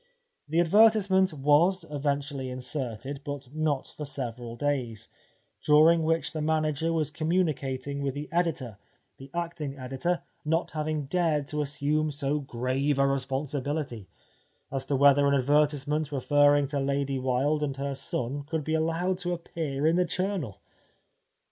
The advertisement was eventu ally inserted, but not for several days, during which the manager was communicating with the editor — the acting editor not having dared to assume so grave a responsibility — as to whether 263 The Life of Oscar Wilde an advertisement referring to Lady Wilde and her son could be allowed to appear in the journal